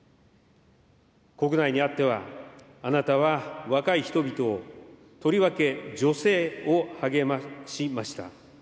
国内にあっては、あなたは若い人々をとりわけ女性を励ましました。